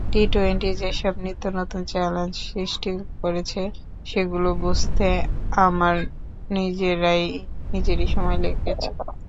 T twenty যেসব নিত্যনতুন challenge সৃষ্টি করেছে, সেগুলো বুঝতে আমার নিজেরই সময় লেগেছে।